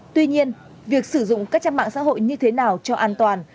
tuy nhiên việc sử dụng các trang mạng xã hội như thế nào cho an toàn